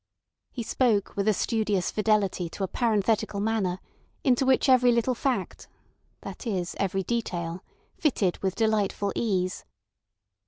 He spoke with a studious fidelity to a parenthetical manner, into which every little fact—that is, every detail—fitted with delightful ease.